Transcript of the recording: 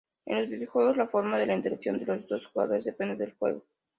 En los videojuegos, la forma de interacción de los dos jugadores depende del juego.